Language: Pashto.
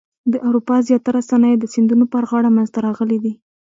د اروپا زیاتره صنایع د سیندونو پر غاړه منځته راغلي دي.